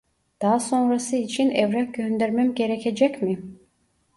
Daha sonrası için evrak göndermem gerekecek mi